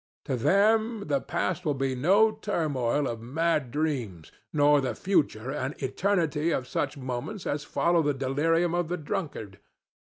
To them the past will be no turmoil of mad dreams, nor the future an eternity of such moments as follow the delirium of the drunkard.